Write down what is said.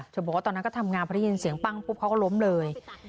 จะบอกว่าตอนนั้นก็ทำงานมาเย็นเสียงปั้งก็ล้มเลย